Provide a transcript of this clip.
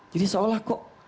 jadi seolah kok